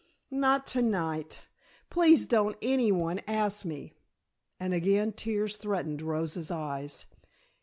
"Not to night. Please don't any one ask me," and again tears threatened Rosa's eyes.